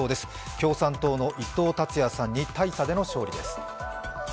共産党の伊藤達也さんに大差での勝利です。